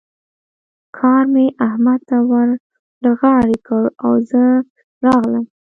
کار مې احمد ته ور له غاړې کړ او زه راغلم.